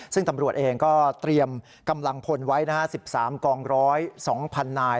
ซึ่งตำรวจเองก็เตรียมกำลังพลไว้๑๓กอง๑๐๒๐๐นาย